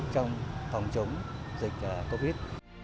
trong phòng chống dịch covid